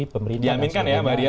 pemerintah diamin kan ya mbak dia